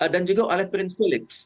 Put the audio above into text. dan juga oleh prince philip